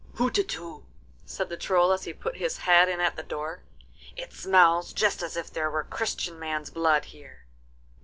'Hutetu!' said the Troll as he put his head in at the door. 'It smells just as if there were Christian man's blood here!